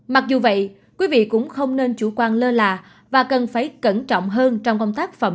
mặc dù vậy quý vị cũng không nên chủ quan lơ là và cần phải cẩn trọng hơn trong công tác phẩm